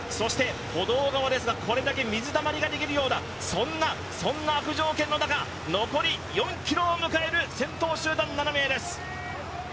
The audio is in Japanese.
歩道側ですが、これだけ水たまりができるような、そんな悪条件の中、残り４ｋｍを迎える先頭集団、７名です。